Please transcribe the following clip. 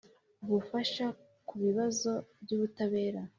Ubufasha ku bibazo by ubutabera